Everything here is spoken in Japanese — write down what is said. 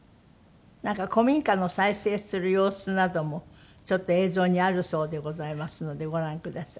なんか古民家の再生する様子などもちょっと映像にあるそうでございますのでご覧ください。